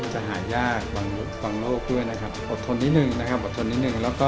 จะหายยากบางโลกด้วยอดทนนิดนึง